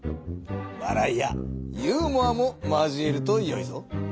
わらいやユーモアも交えるとよいぞ。